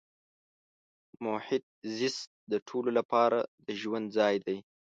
محیط زیست د ټولو لپاره د ژوند ځای دی.